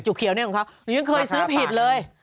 เขียวเนี่ยของเขาหนูยังเคยซื้อผิดเลย